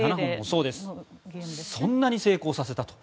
そんなに成功させたと。